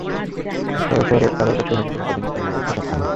তবে পরে তাঁদের বেশির ভাগই নিরাপদে নিচে নেমে আসতে সক্ষম হন।